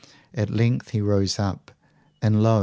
At length he rose up, and lo!